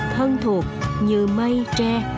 thân thuộc như mây tre